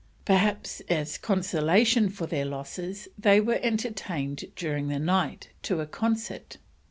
Perhaps as consolation for their losses they were entertained during the night to a concert.